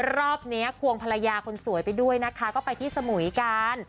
รอบนี้ควงภรรยาคนสวยไปด้วยนะคะก็ไปที่สมุยกัน